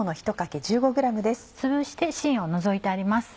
つぶして芯を除いてあります。